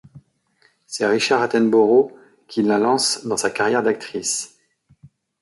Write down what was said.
C'est Richard Attenborough qui la lance dans sa carrière d'actrice.